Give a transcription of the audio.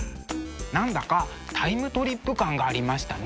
何だかタイムトリップ感がありましたね。